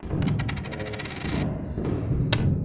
Teɛjeb-iyi tḥanut-a.